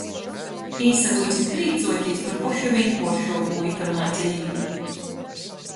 Īsavuicit prīcuotīs par pošu vīnkuoršuokū itamā dzeivē.